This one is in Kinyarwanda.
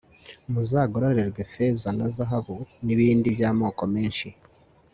muzagororerwe feza na zahabu, n'ibindi by'amoko menshi